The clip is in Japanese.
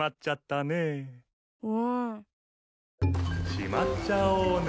しまっちゃおうね。